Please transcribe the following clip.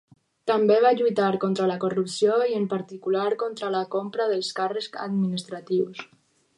També va lluitar contra la corrupció i en particular contra la compra dels càrrecs administratius.